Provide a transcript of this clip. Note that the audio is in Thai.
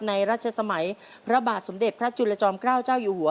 รัชสมัยพระบาทสมเด็จพระจุลจอมเกล้าเจ้าอยู่หัว